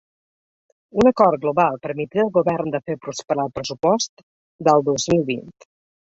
Un acord global permetria al govern de fer prosperar el pressupost del dos mil vint.